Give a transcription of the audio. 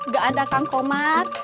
gak ada kang komar